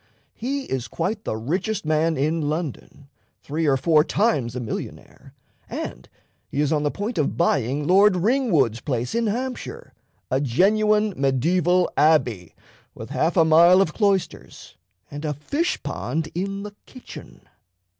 He is quite the richest man in London, three or four times a millionaire, and he is on the point of buying Lord Ringwood's place in Hampshire a genuine mediaeval abbey, with half a mile of cloisters and a fish pond in the kitchen."